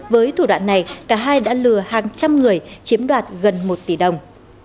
với thủ đoạn này cả hai đã lừa hàng trăm người chiếm đoạt gần một tỷ đồng